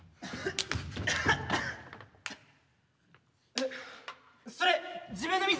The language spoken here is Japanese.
えそれ自分の水？